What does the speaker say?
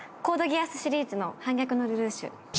『コードギアス』シリーズの『反逆のルルーシュ』